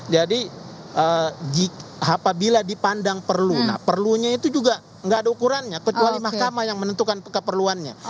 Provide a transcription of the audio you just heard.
jadi apabila dipandang perlu nah perlunya itu juga enggak ada ukurannya kecuali mahkamah yang menentukan keperluannya